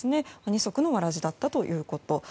二足のわらじだったということ。